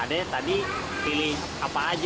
ada ya tadi pilih apa saja